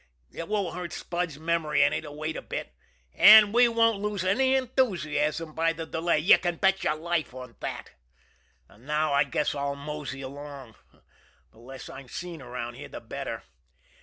It won't hurt Spud's memory any to wait a bit, and we won't lose any enthusiasm by the delay, you can bet your life on that! And now I guess I'll mosey along. The less I'm seen around here the better.